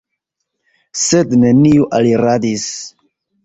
Sed neniu aliradis.